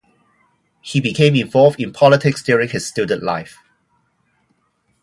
He became involved in politics during his student life.